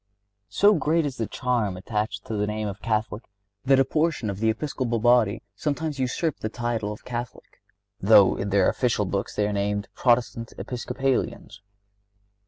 So great is the charm attached to the name of Catholic that a portion of the Episcopal body sometimes usurp the title of Catholic, though in their official books they are named Protestant Episcopalians.